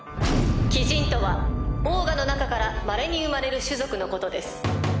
鬼人とはオーガの中から稀に生まれる種族のことです。